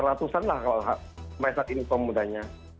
ratusan lah kalau masyarakat ini kemudiannya